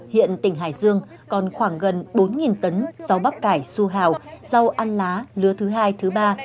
hiện tỉnh hải dương còn khoảng gần bốn tấn rau bắp cải su hào rau ăn lá lứa thứ hai thứ ba